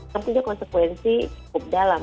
tapi dia konsekuensi cukup dalam